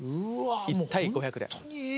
１対５００で。